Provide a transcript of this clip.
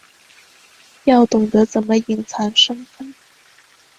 要懂得怎么隐藏身份